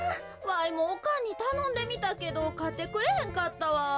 わいもおかんにたのんでみたけどかってくれへんかったわ。